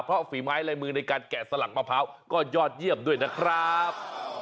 เพราะฝีไม้ลายมือในการแกะสลักมะพร้าวก็ยอดเยี่ยมด้วยนะครับ